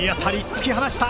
突き放した！